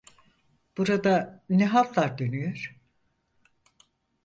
Burada ne haltlar dönüyor?